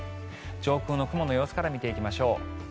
上空の雲の様子から見ていきましょう。